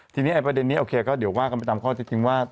ทีนี้ประเด็นนี้โอเคก็เดี๋ยวว่ากันไปตามข้อเท็จจริงว่า